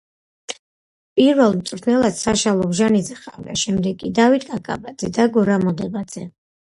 პირველ მწვრთნელად საშა ლობჟანიძე ჰყავდა, შემდეგ კი დავით კაკაბაძე და გურამ მოდებაძე.